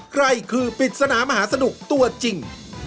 ใครคือปริศนามหาสนุกตัวจริง